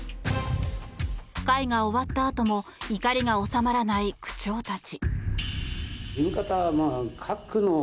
会が終わったあとも怒りが収まらない区長たち。